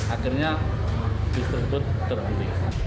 akhirnya bus tersebut terguling